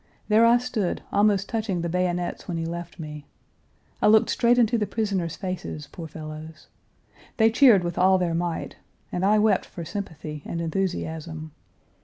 There I stood, almost touching the bayonets when he left me. I looked straight into the prisoners' faces, poor fellows. They cheered with all their might, and I wept for sympathy, and enthusiasm.